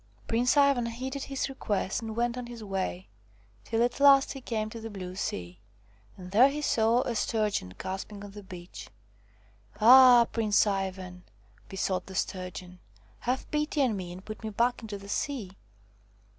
Prince Ivan heeded his request and went on his way, till at last he came to the blue sea, and there he saw a sturgeon gasping on the beach. "Ah! Prince Ivan," besought the Sturgeon, " have pity on me and put me back into the sea."